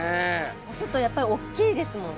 ちょっとやっぱりおっきいですもんね。